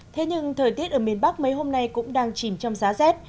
thế nhưng thời tiết ở miền bắc mấy hôm nay cũng đang chìm trong giá rét